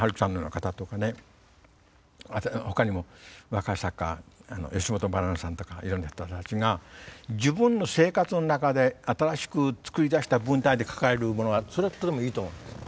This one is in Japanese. あとはほかにも若い作家吉本ばななさんとかいろんな人たちが自分の生活の中で新しく作り出した文体で書かれるものはそれはとてもいいと思うんです。